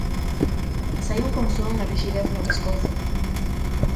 Saíu con só unha rixidez no pescozo.